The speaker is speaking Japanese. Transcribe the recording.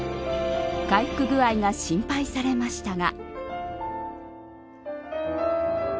回復具合が心配されましたが。